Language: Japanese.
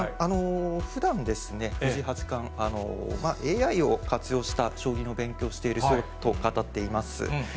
ふだん藤井八冠、ＡＩを活用した将棋の勉強をしていると語っています。